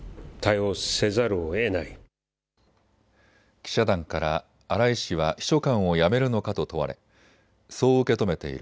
記者団から荒井氏は秘書官を辞めるのかと問われそう受け止めている。